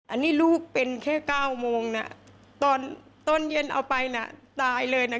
อันนี้ลูกเป็นแค่๙โมงนะตอนตอนเย็นเอาไปน่ะตายเลยนะ